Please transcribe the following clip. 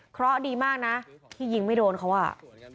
เพราะดีมากนะที่ยิงไม่โดนเขาอ่ะ